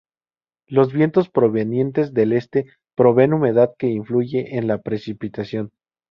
Los vientos provenientes del este proveen humedad que influye en la precipitación.